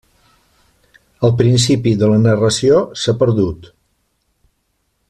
El principi de la narració s'ha perdut.